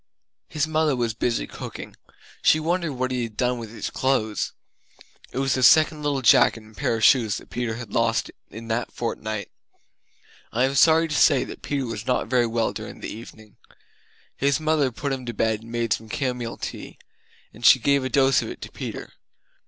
His mother was busy cooking; she wondered what he had done with his clothes. It was the second little jacket and pair of shoes that Peter had lost in a fortnight! I am sorry to say that Peter was not very well during the evening. His mother put him to bed and made some camomile tea; and she gave a dose of it to Peter!